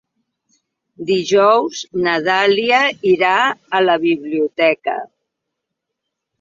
Dijous na Dàlia irà a la biblioteca.